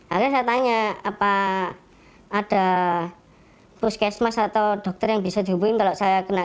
akhirnya saya tanya apa ada puskesmas atau dokter yang bisa dihubungin kalau saya kena